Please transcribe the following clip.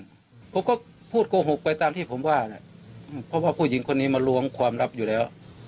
ผมก็พูดโกหกไปตามที่ผมว่านะเพราะว่าผู้หญิงคนนี้มาล้วงความลับอยู่แล้ว